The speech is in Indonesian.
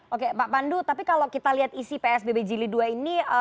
oke pak pandu tapi kalau kita lihat isi psbb jili dua ini